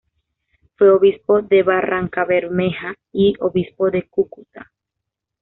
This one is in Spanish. Fue obispo de Barrancabermeja y Obispo de Cúcuta.